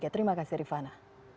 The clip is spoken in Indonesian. terima kasih rifana